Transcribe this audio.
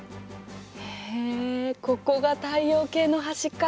へえここが太陽系の端か。